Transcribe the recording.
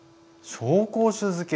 紹興酒漬け。